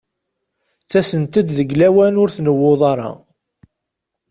Ttasent-d deg lawan ur tnewwuḍ ara.